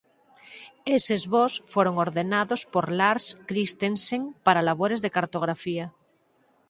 Eses voos foron ordenados por Lars Christensen para labores de cartografía.